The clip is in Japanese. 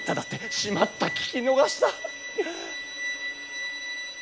しまった聞きのがした！